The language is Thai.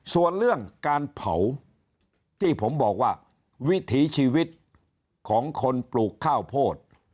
ส่วนเรื่องการเผาที่ผมบอกว่าวิถีชีวิตของคนปลูกข้าวโพด